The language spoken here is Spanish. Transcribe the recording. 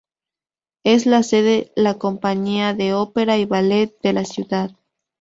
Es la sede la compañía de ópera y ballet de la ciudad.